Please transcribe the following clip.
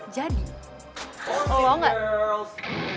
jadi lo mau nggak